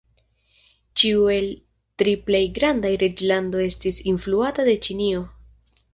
Ĉiu el la tri plej grandaj reĝlandoj estis influata de Ĉinio.